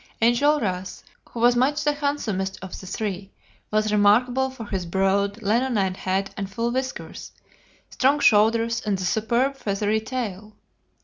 Enjolras, who was much the handsomest of the three, was remarkable for his broad, leonine head and full whiskers, strong shoulders, and a superb feathery tail.